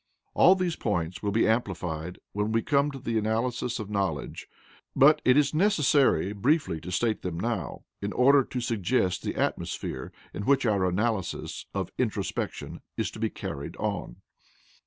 All these points will be amplified when we come to the analysis of knowledge, but it is necessary briefly to state them now in order to suggest the atmosphere in which our analysis of "introspection" is to be carried on.